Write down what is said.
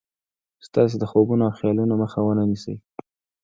ستاسې د خوبونو او خيالونو مخه و نه نيسي.